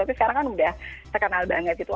tapi sekarang kan udah terkenal banget gitu